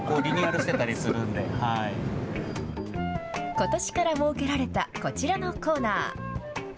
ことしから設けられたこちらのコーナー。